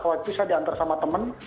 waktu saya diantar sama teman